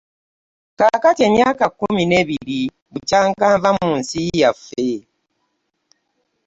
Kakati emyaka kkumi n'ebiri bukyanga nva munsi yaffe.